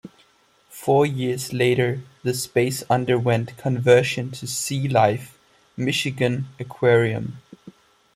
Four years later, the space underwent conversion to Sea Life Michigan Aquarium.